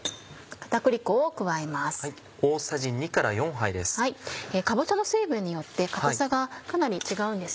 かぼちゃの水分によって硬さがかなり違うんです。